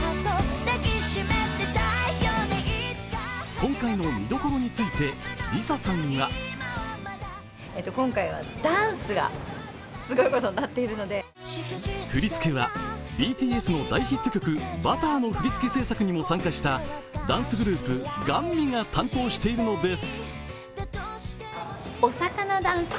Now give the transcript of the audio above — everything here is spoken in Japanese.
今回の見どころについてＬｉＳＡさんは振り付けはＢＴＳの大ヒット曲「Ｂｕｔｔｅｒ」の振り付け制作にも参加したダンスグループ・ＧＡＮＭＩが担当しているのです。